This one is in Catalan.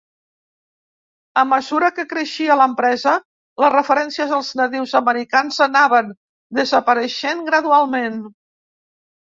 A mesura que creixia l'empresa, les referències als nadius americans anaven desapareixent gradualment.